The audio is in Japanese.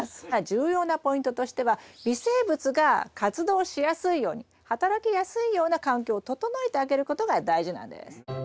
重要なポイントとしては微生物が活動しやすいように働きやすいような環境を整えてあげることが大事なんです。